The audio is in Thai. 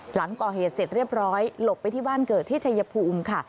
หลังก่อเหตุเสร็จเรียบร้อยหลบไปที่บ้านเกิดที่ชายภูมิค่ะ